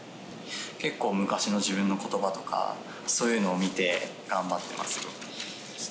結構、昔の自分のことばとか、そういうのを見て頑張ってます。